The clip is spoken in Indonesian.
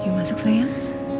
yuk masuk sayang